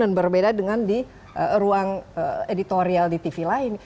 dan berbeda dengan di ruang editorial di tv lain